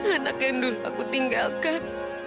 anak yang dulu aku tinggalkan